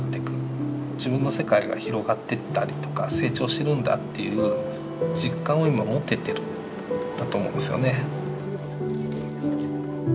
自分の世界が広がってったりとか成長してるんだっていう実感を今持ててるんだと思うんですよね。